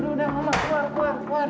udah mama keluar keluar keluar